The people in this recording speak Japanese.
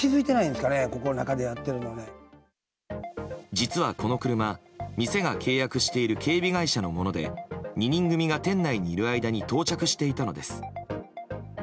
実はこの車、店が契約している警備会社のもので２人組が店内にいる間に到着していたのです。